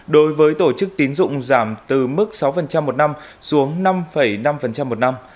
đối với tổ chức tín dụng giảm từ mức sáu một năm xuống năm năm một năm